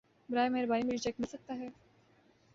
براہ مہربانی مجهے چیک مل سکتا ہے